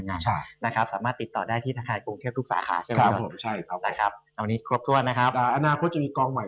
นิตยาหลัง